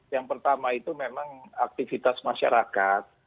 yang pertama itu memang aktivitas masyarakat